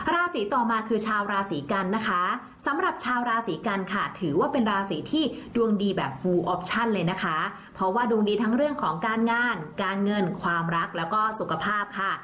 ราศีต่อมาคือชาวราศีกันนะคะสำหรับชาวราศีกันค่ะถือว่าเป็นราศีที่ดวงดีแบบฟูออปชั่นเลยนะคะเพราะว่าดวงดีทั้งเรื่องของการงานการเงินความรักแล้วก็สุขภาพค่ะ